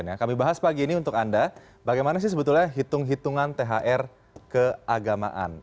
nah kami bahas pagi ini untuk anda bagaimana sih sebetulnya hitung hitungan thr keagamaan